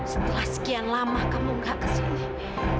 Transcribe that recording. setelah sekian lama kamu gak kesini